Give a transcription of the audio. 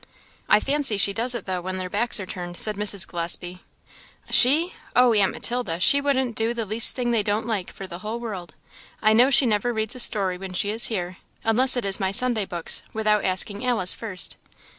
"I fancy she does it, though, when their backs are turned," said Mrs. Gillespie. "She! oh, aunt Matilda! she wouldn't do the least thing they don't like for the whole world. I know she never reads a story when she is here, unless it is my Sunday books, without asking Alice first."